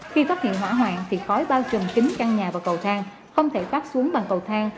khi phát hiện hỏa hoạn thì khói bao trùm kính căn nhà và cầu thang không thể phát xuống bằng cầu thang